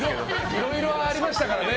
いろいろありましたからね。